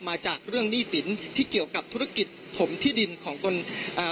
มาจากเรื่องหนี้สินที่เกี่ยวกับธุรกิจถมที่ดินของตนอ่า